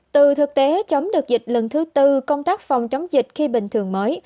từ thực tế chống được dịch lần thứ tư công tác phòng chống dịch khi bình thường mới